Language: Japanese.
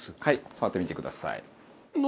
触ってみてください。